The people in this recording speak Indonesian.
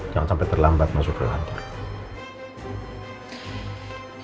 jangan sampai terlambat masuk ke lantai